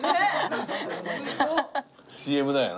ＣＭだよな。